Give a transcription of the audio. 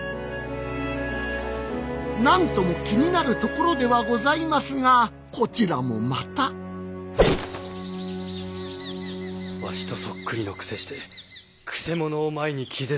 何とも気になるところではございますがこちらもまたわしとそっくりのくせして曲者を前に気絶するとは。